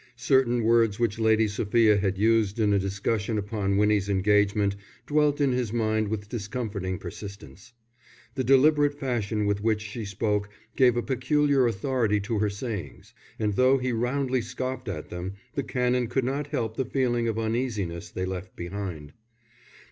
Certain words which Lady Sophia had used in a discussion upon Winnie's engagement dwelt in his mind with discomforting persistence. The deliberate fashion with which she spoke gave a peculiar authority to her sayings; and though he roundly scoffed at them, the Canon could not help the feeling of uneasiness they left behind.